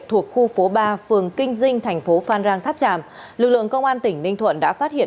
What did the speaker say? thuộc khu phố ba phường kinh dinh thành phố phan rang tháp tràm lực lượng công an tỉnh ninh thuận đã phát hiện